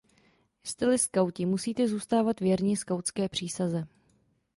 Jste-li skauti, musíte zůstávat věrni skautské přísaze.